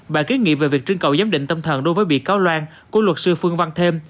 bà ký nghị về việc trưng cầu giám định tâm thần đối với bị cáo loan của luật sư phương văn thêm